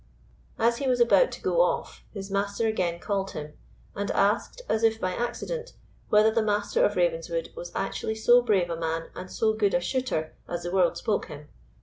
As he was about to go off, his master again called him, and asked, as if by accident, whether the Master of Ravenswood was actually so brave a man and so good a shooter as the world spoke him.